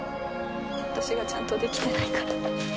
私がちゃんとできてないから。